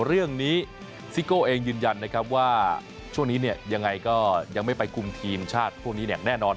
เรื่องนี้ซิโก้เองยืนยันนะครับว่าช่วงนี้เนี่ยยังไงก็ยังไม่ไปคุมทีมชาติพวกนี้อย่างแน่นอน